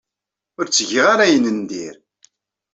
Ur ttgeɣ ara ayen n dir.